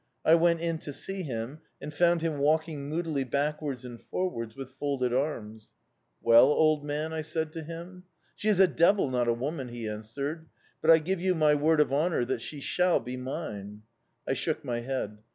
I went in to see him, and found him walking moodily backwards and forwards with folded arms. "'Well, old man?' I said to him. "'She is a devil not a woman!' he answered. 'But I give you my word of honour that she shall be mine!' "I shook my head.